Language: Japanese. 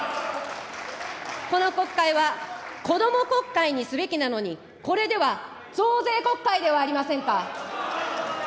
この国会は、こども国会にすべきなのに、これでは増税国会ではありませんか。